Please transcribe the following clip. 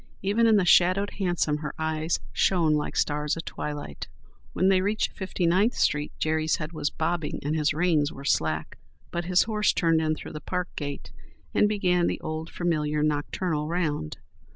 Even in the shadowed hansom her eyes shone like stars at twilight. When they reached Fifty ninth street Jerry's head was bobbing and his reins were slack. But his horse turned in through the park gate and began the old familiar nocturnal round.